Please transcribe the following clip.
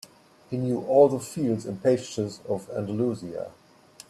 He knew all the fields and pastures of Andalusia.